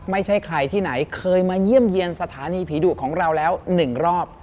ไม่ใช่ใครที่ไหนเคยมาเยี่ยมเยี่ยมสถานีผีดุของเราแล้ว๑รอบ